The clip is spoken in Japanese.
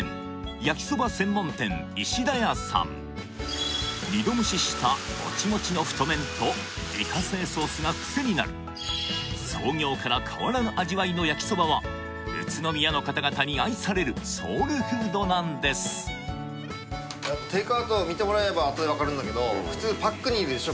焼きそば専門店石田屋さん２度蒸ししたモチモチの太麺と自家製ソースが癖になる創業から変わらぬ味わいの焼きそばは宇都宮の方々に愛されるソウルフードなんですテイクアウト見てもらえばあとで分かるんだけど普通パックに入れるでしょ？